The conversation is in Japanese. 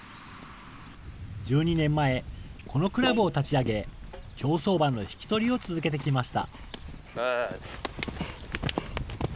１２年前、このクラブを立ち上げ、競走馬の引き取りを続けてきました。